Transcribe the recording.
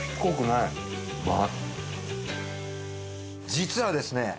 実はですね